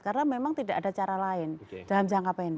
karena memang tidak ada cara lain dalam jangka pendek